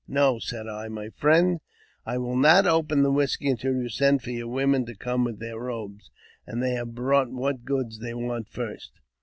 " No," said I, "my friend, I will not open the whisky until you send for your women to come with their robes, and they have bought what goods they want first.